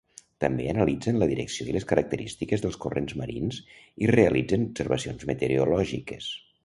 També analitzen la direcció i les característiques dels corrents marins i realitzen observacions meteorològiques.